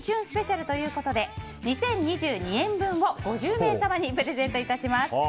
スペシャルということで２０２２円分を５０名様にプレゼント致します。